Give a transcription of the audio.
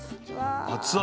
熱々。